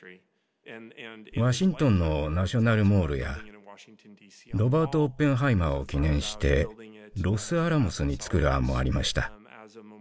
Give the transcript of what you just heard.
ワシントンのナショナル・モールやロバート・オッペンハイマーを記念してロスアラモスに作る案もありました。